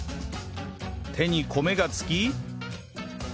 手に米がつき